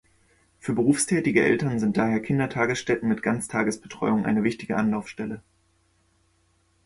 Für berufstätige Eltern sind daher Kindertagesstätten mit Ganztagesbetreuung eine wichtige Anlaufstelle.